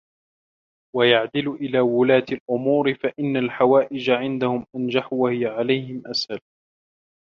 وَيَعْدِلُ إلَى وُلَاةِ الْأُمُورِ فَإِنَّ الْحَوَائِجَ عِنْدَهُمْ أَنْجَحُ وَهِيَ عَلَيْهِمْ أَسْهَلُ